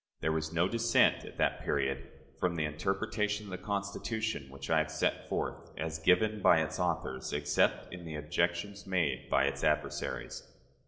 There was no dissent, at that period, from the interpretation of the Constitution which I have set forth, as given by its authors, except in the objections made by its adversaries.